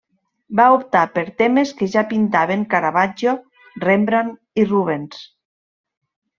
Va optar per temes que ja pintaven Caravaggio, Rembrandt i Rubens.